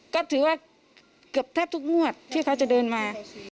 ก็ถือว่าเกือบแทบทุกงวดที่เขาจะเดินมา